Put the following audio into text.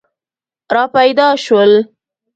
را پیدا شول.